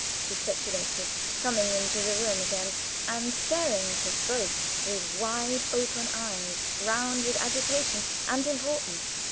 she speculated, coming into the room again and staring at us both with wide open eyes round with agitation and importance.